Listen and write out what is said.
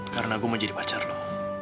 karena gue mau jadi pacar lu